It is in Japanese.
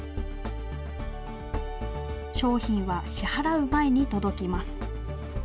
商品は支払う前に届きます。